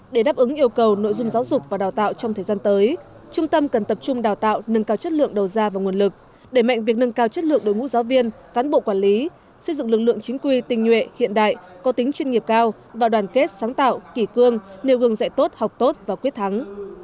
để đáp ứng yêu cầu nội dung giáo dục và đào tạo trong thời gian tới trung tâm cần tập trung đào tạo nâng cao chất lượng đầu gia và nguồn lực để mạnh việc nâng cao chất lượng đối ngũ giáo viên phán bộ quản lý xây dựng lực lượng chính quy tình nhuệ hiện đại có tính chuyên nghiệp cao và đoàn kết sáng tạo kỷ cương nêu gương dạy tốt học tốt và quyết thắng